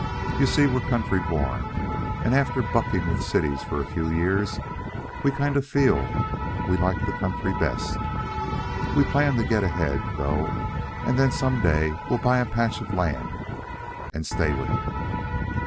"You see, we're country born, and after bucking with cities for a few years, we kind of feel we like the country best. We've planned to get ahead, though, and then some day we'll buy a patch of land and stay with it."